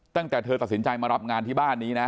ตั้งแต่เธอตัดสินใจมารับงานที่บ้านนี้นะ